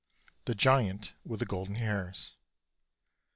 THE GIANT WITH THE GOLDEN HAIRS.